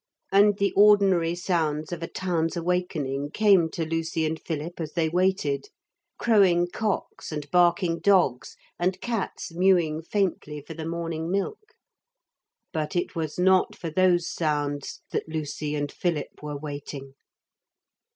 And the ordinary sounds of a town's awakening came to Lucy and Philip as they waited; crowing cocks and barking dogs and cats mewing faintly for the morning milk. But it was not for those sounds that Lucy and Philip were waiting.